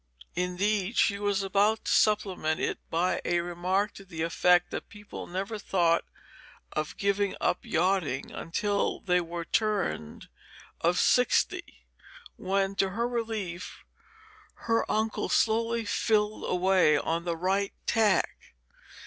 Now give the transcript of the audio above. Indeed, she was about to supplement it by a remark to the effect that people never thought of giving up yachting until they were turned of sixty, when, to her relief, her uncle slowly filled away on the right tack.